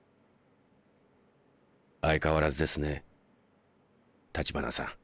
相変わらずですね橘さん。